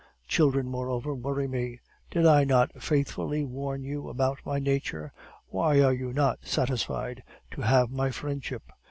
Children, moreover, worry me. Did I not faithfully warn you about my nature? Why are you not satisfied to have my friendship?